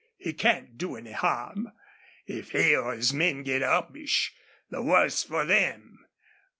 He can't do any harm. If he or his men get uppish, the worse for them.